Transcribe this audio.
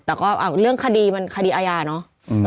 แต่ก็เรื่องคดีมันคดีอาญาเนอะ